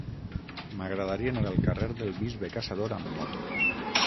M'agradaria anar al carrer del Bisbe Caçador amb moto.